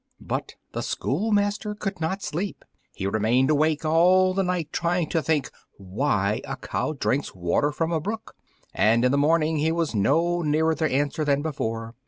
But the schoolmaster could not sleep; he remained awake all the night trying to think why a cow drinks water from a brook, and in the morning he was no nearer the answer than before.